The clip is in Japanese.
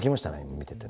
見ててね。